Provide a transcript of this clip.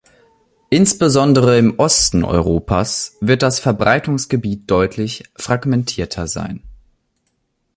Insbesondere im Osten Europas wird das Verbreitungsgebiet deutlich fragmentierter sein.